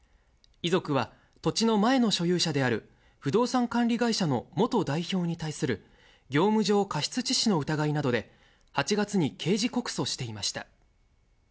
遺族は土地の前の所有者である不動産管理会社の元代表に対する業務上過失致死の疑いなどで、８月に刑事告訴していました。